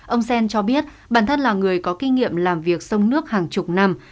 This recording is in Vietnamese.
ông sen cho biết bản thân là người có kinh nghiệm làm việc sông nước hàng chục năm